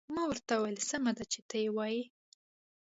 ما ورته وویل: سمه ده، چې ته يې وایې.